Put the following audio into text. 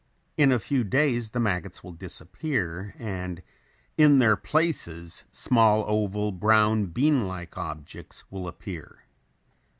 In a few days the maggots will disappear and in their places small oval, brown bean like objects will appear.